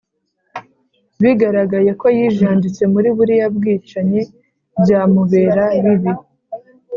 Bigaragaye ko yijanditse muri buriya bwicanyi byamubera bibi